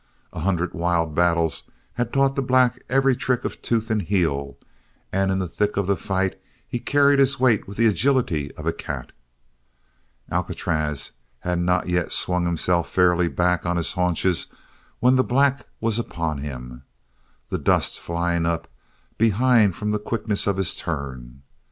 A hundred wild battles had taught the black every trick of tooth and heel; and in the thick of the fight he carried his weight with the agility of a cat: Alcatraz had not yet swung himself fairly back on his haunches when the black was upon him, the dust flying up behind from the quickness of his turn.